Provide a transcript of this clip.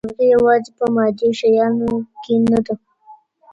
نيکمرغي يوازې په مادي شيانو کي نه ده.